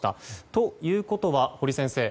ということは、堀先生